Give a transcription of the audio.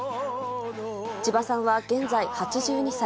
ちばさんは現在８２歳。